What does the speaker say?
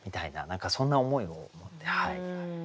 何かそんな思いをはい。